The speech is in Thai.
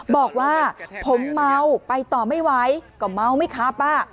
บอกว่าผมเมาไปต่อไม่ไหวก็เมาไม่ขับ